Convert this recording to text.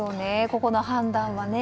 ここの判断はね。